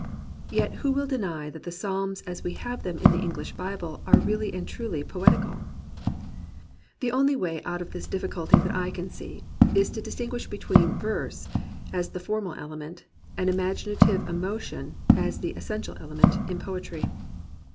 Yet who will deny that the Psalms as we have them in the English Bible are really and truly poeti cal ? The only way out of this difficulty that I can see is to distinguish between verse as the formal ele ment and imaginative emotion as the essential ele ment in poetry.